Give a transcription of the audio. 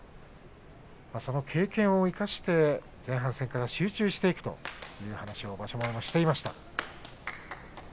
その経験を生かして前半戦から集中していくという話をしていました。